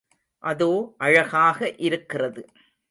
அதோ அழகாக இருக்கிறது.